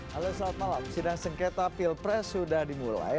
halo selamat malam sidang sengketa pilpres sudah dimulai